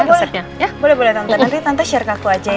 boleh boleh nonton nanti tante share ke aku aja ya